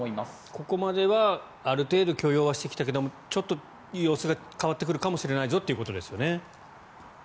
ここまではある程度許容はしてきたけどちょっと様子が変わってくるかもしれないぞということですよね。